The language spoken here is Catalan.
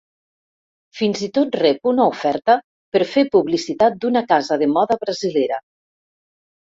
Fins i tot rep una oferta per fer publicitat d'una casa de moda brasilera.